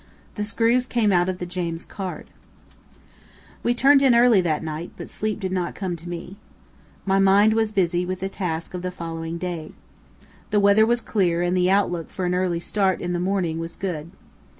The screws came out of the James Caird. We turned in early that night, but sleep did not come to me. My mind was busy with the task of the following day. The weather was clear and the outlook for an early start in the morning was good.